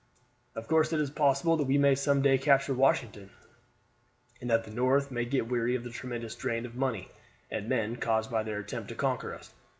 "Of course it is possible that we may some day capture Washington, and that the North may get weary of the tremendous drain of money and men caused by their attempt to conquer us.